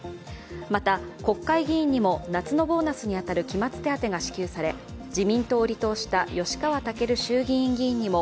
また、国会議員にも夏のボーナスに当たる期末手当が支給され、自民党を離党した吉川赳衆衆議院議員にも